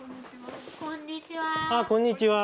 あっこんにちは。